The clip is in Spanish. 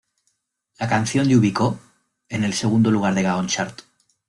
La canción de ubicó en el segundo lugar de Gaon Chart.